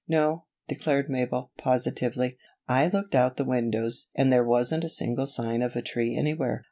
"No," declared Mabel, positively. "I looked out the windows and there wasn't a single sign of a tree anywhere.